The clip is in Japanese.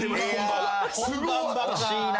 惜しいな。